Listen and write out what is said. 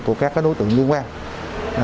của các đối tượng liên quan